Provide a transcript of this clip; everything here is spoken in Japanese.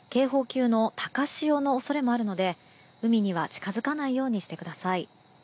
警報級の高潮の恐れもあるので海には近づかないようにしてください。